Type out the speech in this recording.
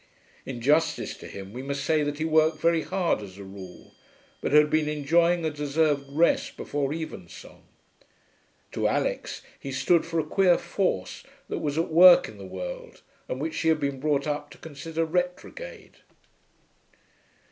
In justice to him we must say that he worked very hard as a rule, but had been enjoying a deserved rest before evensong. To Alix he stood for a queer force that was at work in the world and which she had been brought up to consider retrograde.